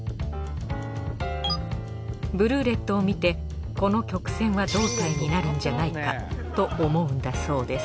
ブルーレットを見てこの曲線は胴体になるんじゃないかと思うんだそうです